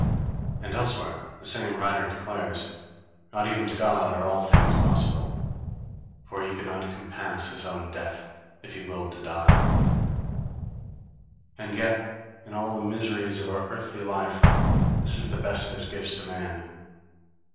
_ And elsewhere the same writer declares: _Not even to God are all things possible; for he could not compass his own death, if he willed to die, and yet in all the miseries of our earthly life, this is the best of his gifts to man.